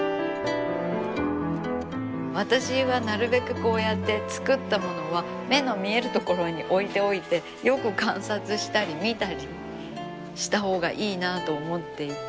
私はなるべくこうやって作ったものは目の見える所に置いておいてよく観察したり見たりしたほうがいいなあと思っていて。